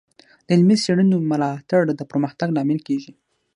د علمي څیړنو ملاتړ د پرمختګ لامل کیږي.